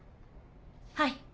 はい。